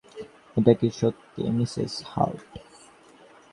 এটা কি সত্যি, মিসেস হার্ট?